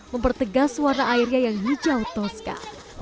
mempertegas warna airnya yang hijau toska